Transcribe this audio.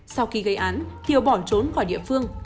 sau khi gây án kiều bỏ trốn khỏi địa phương